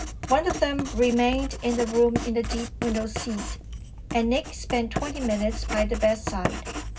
One of them remained in the room in the deep window seat, and Nick spent twenty minutes by the bedside.